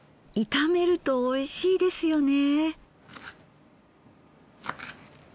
炒めるとおいしいですよね。